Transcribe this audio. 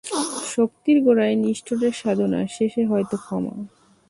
শক্তির গোড়ায় নিষ্ঠুরের সাধনা, শেষে হয়তো ক্ষমা।